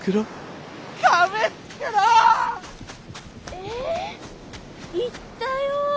え行ったよ